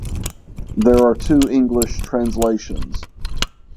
There are two English translations.